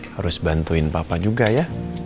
harus bantuin papa juga ya